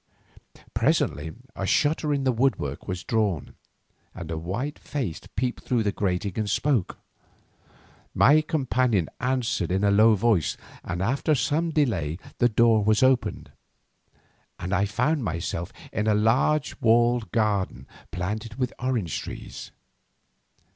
Presently a shutter in the woodwork was drawn, and a white face peeped through the grating and spoke. My companion answered in a low voice, and after some delay the door was opened, and I found myself in a large walled garden planted with orange trees.